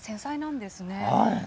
繊細なんですね。